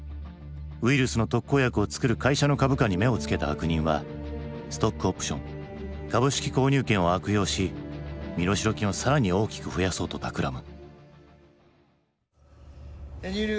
ウイルスの特効薬を作る会社の株価に目を付けた悪人はストックオプション株式購入権を悪用し身代金を更に大きく増やそうとたくらむ。